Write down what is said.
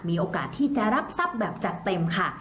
มีโอกาสที่จะรับทรัพย์แบบจัดเต็มค่ะ